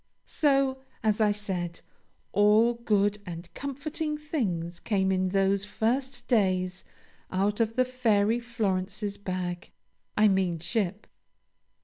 So, as I said, all good and comforting things came in those first days out of the Fairy Florence's bag I mean ship.